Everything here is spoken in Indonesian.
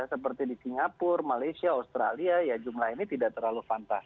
seperti di singapura malaysia australia ya jumlah ini tidak terlalu fantas